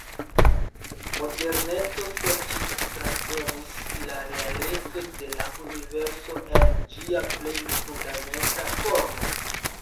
Moderneco serĉis transdonis la "realeco" de la universo en ĝia plej fundamenta formo.